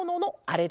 あれ！